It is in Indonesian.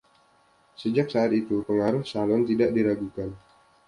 Sejak saat itu, pengaruh Salon tidak diragukan.